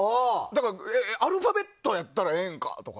アルファベットやったらええんかとか。